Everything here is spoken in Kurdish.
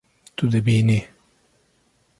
Tu dibînî